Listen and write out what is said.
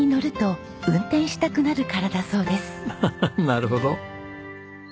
なるほど。